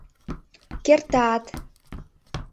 — Керта-ат!